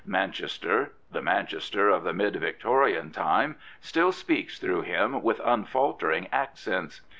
Manchester, the Manchester of the mid Victorian time, still speaks through him with un faltering accents.